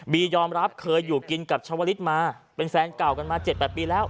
ยอมรับเคยอยู่กินกับชาวลิศมาเป็นแฟนเก่ากันมา๗๘ปีแล้ว